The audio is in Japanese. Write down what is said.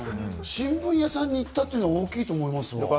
新聞屋さんに行ったっていうのは大きいと思います。